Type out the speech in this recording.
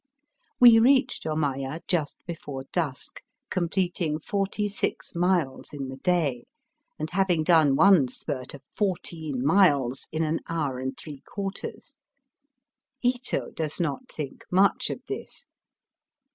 We reached Omaya just before dusk, com pleting forty six miles in the day, and having done one spurt of fourteen miles in an hour and three quarters. Ito does not think much of this.